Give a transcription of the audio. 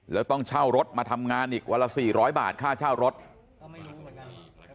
แล้วต้องเช่ารถมาทำงานอีกวันละสี่ร้อยบาทค่าเช่ารถก็ไม่รู้เหมือนกัน